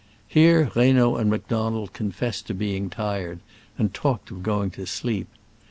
Here Reynaud and Macdonald confessed to being tired, and talked of going to sleep.